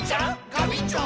ガビンチョ！